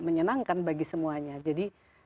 menyenangkan bagi semuanya jadi